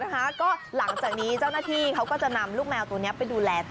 ก็หลังจากนี้เจ้าหน้าที่เขาก็จะนำลูกแมวตัวนี้ไปดูแลต่อ